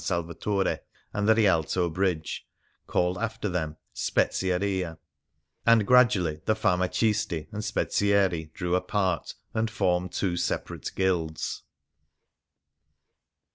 Salvatore and the Rialto Bridge, called after them "Spezieria"; and gradually the farmacisti and spezieri drew apart and formed two separate guilds.